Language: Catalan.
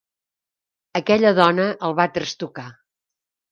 Aquella dona el va trastocar.